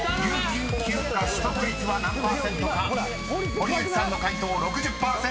［堀内さんの解答６０％。